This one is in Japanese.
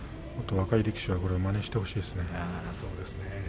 若い力士もまねしてほしいですよね。